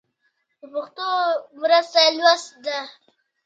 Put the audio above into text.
د پښتو مرسته لوست ده.